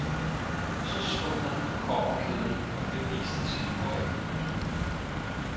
Og så slog han på kobberkedlen og beviste sin høje byrd.